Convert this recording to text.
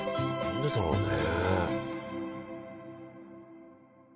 何でだろうね。